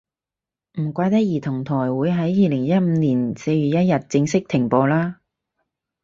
唔怪得兒童台會喺二零一五年四月一日正式停播啦